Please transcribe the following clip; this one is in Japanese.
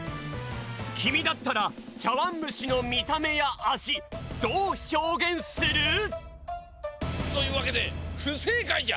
きみだったらちゃわんむしのみためやあじどうひょうげんする？というわけでふせいかいじゃ。